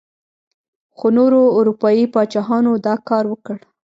خو نورو اروپايي پاچاهانو دا کار وکړ.